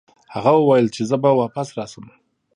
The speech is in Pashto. هغه وویل چې زه به واپس راشم.